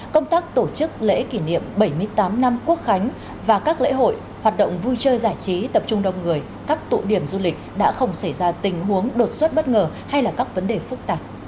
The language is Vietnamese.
công tác tổ chức lễ kỷ niệm bảy mươi tám năm quốc khánh và các lễ hội hoạt động vui chơi giải trí tập trung đông người các tụ điểm du lịch đã không xảy ra tình huống đột xuất bất ngờ hay là các vấn đề phức tạp